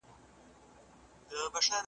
زورورو د کمزورو برخي وړلې .